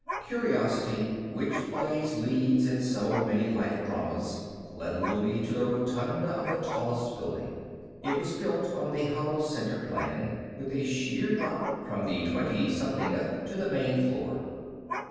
Curiosity, which plays leads in so many life dramas, led Louie to the rotunda of the tallest building. It was built on the hollow center plan, with a sheer drop from the twenty somethingth to the main floor.